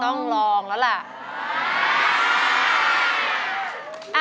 ต้องลองแล้วล่ะ